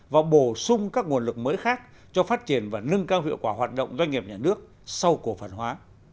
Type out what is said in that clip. và bổ sung các nguồn lực mới khác cho phát triển và nâng cao hiệu quả hoạt động doanh nghiệp nhà nước sau cổ phần hóa